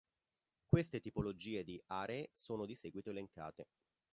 Queste tipologie di aree sono di seguito elencate.